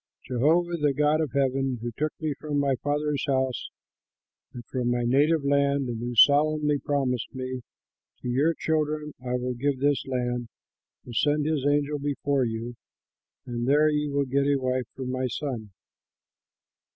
Jehovah, the God of heaven, who took me from my father's house and from my native land and who solemnly promised me, 'To your children I will give this land,' will send his angel before you and there you will get a wife for my son.